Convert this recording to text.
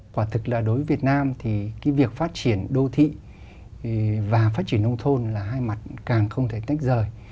quả thực là đối với việt nam thì cái việc phát triển đô thị và phát triển nông thôn là hai mặt càng không thể tách rời